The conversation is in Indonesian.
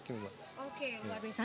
oke luar biasa